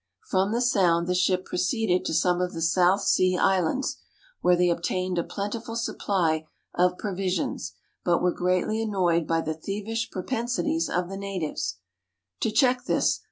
From the Sound the ship proceeded to some of the South Sea Islands, where they obtained a plentiful supply of pro visions, but were greatly annoyed by the thievish pro pensities of the natives. To check this.